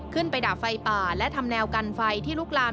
ดับไฟป่าและทำแนวกันไฟที่ลุกลาม